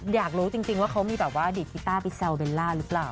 อยากรู้จริงว่าเขามีแบบว่าดีดกีต้าไปแซวเบลล่าหรือเปล่า